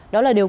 đó là điều này